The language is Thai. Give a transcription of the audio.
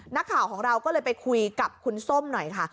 นักข่าวของเราก็เลยไปคุยกับคุณส้มหน่อยค่ะ